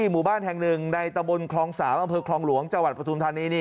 หมู่บ้านแห่งหนึ่งในตะบลครองสาวอำเภิกครองหลวงจวัดประทุนธรรมนี้